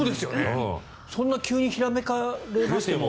そんな急にひらめかれても。